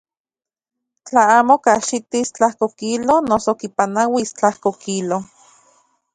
Tla amo kajxitis tlajko kilo noso kipanauis tlajko kilo.